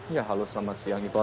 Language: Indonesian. ya halo selamat siang iqbal